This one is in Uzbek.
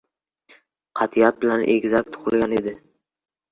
Qat’iyat bilan egizak tug’ilgan edi.